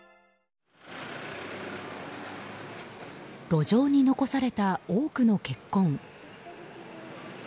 路上に残された多くの血痕。